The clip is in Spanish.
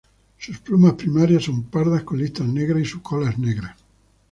Sus plumas primarias son pardas con listas negras y su cola es negra.